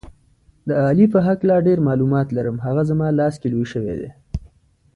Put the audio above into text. د علي په هکله ډېر معلومات لرم، هغه زما لاس کې لوی شوی دی.